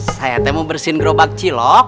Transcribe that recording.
saya temu bersihin gerobak cilok